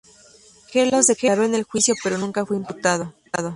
Angeloz declaró en el juicio pero nunca fue imputado.